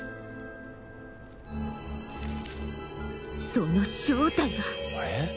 その正体は。